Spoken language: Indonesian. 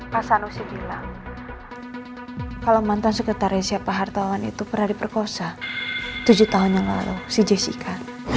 pak sanusi bilang kalau mantan sekretarisnya pak hartawan itu pernah diperkosa tujuh tahun yang lalu si jessica